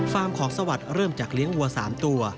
ของสวัสดิ์เริ่มจากเลี้ยงวัว๓ตัว